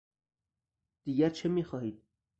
دیگر چه میخواهید؟